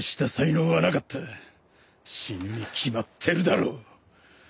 死ぬに決まってるだろう。